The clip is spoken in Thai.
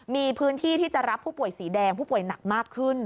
มีพื้นที่ที่จะรับผู้ป่วยสีแดงผู้ป่วยหนักมากขึ้น